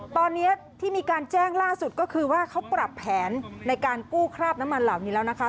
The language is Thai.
ตอนนี้ที่มีการแจ้งล่าสุดก็คือว่าเขาปรับแผนในการกู้คราบน้ำมันเหล่านี้แล้วนะคะ